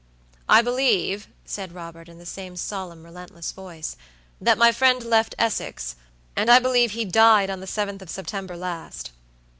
"I believe," said Robert, in the same solemn, relentless voice, "that my friend left Essex; and I believe he died on the 7th of September last."